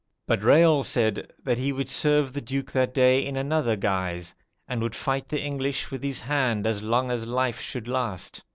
But Raol said that he would serve the Duke that day in other guise, and would fight the English with his hand as long as life should last.